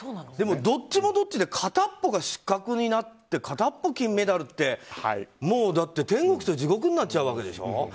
でもどっちもどっちでかたっぽが失格になってかたっぽが金メダルって、天国と地獄になっちゃうわけでしょ。